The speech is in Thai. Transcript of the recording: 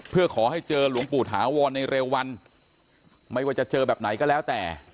เพื่อขอให้เจอหลวงปู่ถาวรในเร็ววันไม่ว่าจะเจอแบบไหนก็แล้วแต่